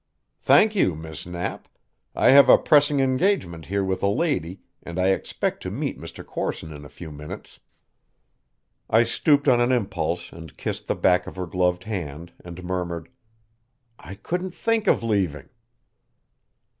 "Thank you, Miss Knapp. I have a pressing engagement here with a lady, and I expect to meet Mr. Corson in a few minutes." I stooped on an impulse and kissed the back of her gloved hand, and murmured, "I couldn't think of leaving."